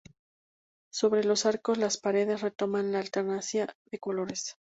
Sobre los arcos las paredes retoman la alternancia de colores.